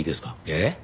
えっ？